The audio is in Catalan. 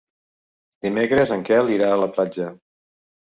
Dimecres en Quel irà a la platja.